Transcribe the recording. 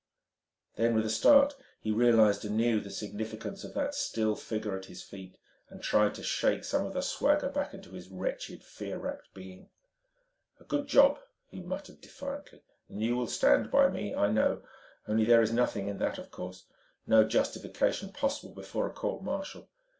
Then with a start he realised anew the significance of that still figure at his feet, and tried to shake some of the swagger back into his wretched, fear racked being. "A good job!" he muttered defiantly. "And you will stand by me, I know.... Only there is nothing in that, of course, no justification possible before a court martial.